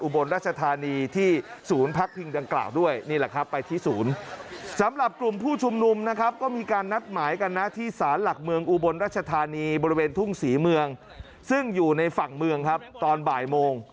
บริเวณทุ่งศรีเมืองซึ่งอยู่ในฝั่งเมืองครับตอนบ่ายโมง